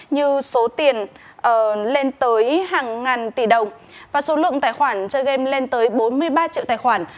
như số tiền lên tới hàng ngàn tỷ đồng và số lượng tài khoản chơi game lên tới bốn mươi ba triệu tài khoản